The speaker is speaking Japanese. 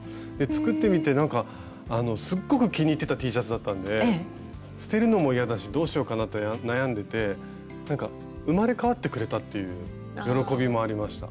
作ってみてなんかすっごく気に入ってたＴシャツだったんで捨てるのも嫌だしどうしようかなって悩んでてなんか生まれ変わってくれたっていう喜びもありました。